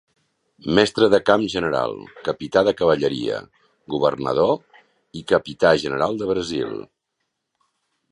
Mestre de camp general, capità de cavalleria, Governador i Capità General de Brasil.